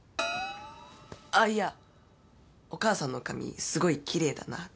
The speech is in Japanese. あっいやお母さんの髪すごい奇麗だなと。